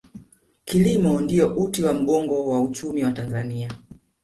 kilimo ndiyo uti wa mgongo wa uchumi wa tanzania